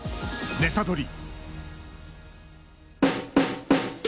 ネタドリ！